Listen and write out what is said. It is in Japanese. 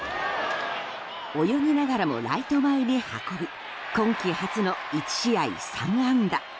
泳ぎながらもライト前に運び今季初の１試合３安打。